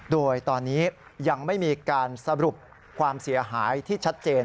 โดยตอนนี้ยังไม่มีการสรุปความเสียหายที่ชัดเจน